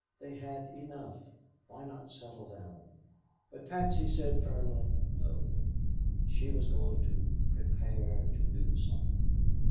They had "enough." Why not settle down? But Patsy said firmly, No. She was going to "prepare to do something."